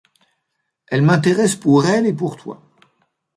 Elle m'intéresse pour elle et pour toi.